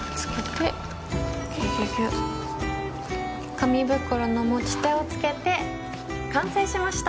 紙袋の持ち手を付けて完成しました！